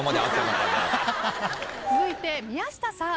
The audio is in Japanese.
続いて宮下さん。